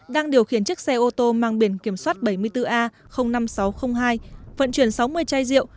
đang điều khiển chiếc xe ô tô mang biển kiểm soát bảy mươi bốn a năm nghìn sáu trăm linh hai vận chuyển sáu mươi chai rượu